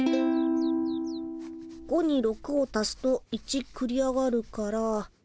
５に６を足すと１くり上がるから。